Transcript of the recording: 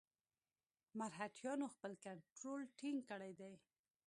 مرهټیانو خپل کنټرول ټینګ کړی دی.